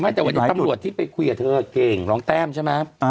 มาถึงวันนี้ที่ไปคุยกับเธอเก่งรองแต้มใช่ไหม